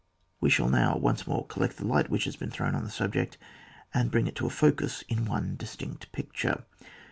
We shall now once more collect the light which has been thrown on the sub ject, and bring it to a focus in one distinct picture.